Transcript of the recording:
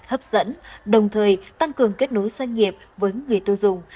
hấp dẫn đồng thời tăng cường kết nối doanh nghiệp với người tiêu dùng